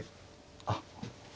あっ。